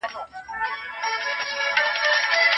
ټولنيز بدلونونه يوه طبعي چاره ده؟